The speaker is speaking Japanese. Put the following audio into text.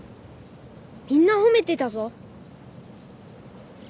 みんな褒めてたぞ。